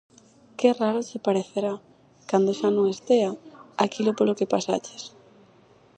Que raro che parecerá, cando xa non estea, aquilo polo que pasaches.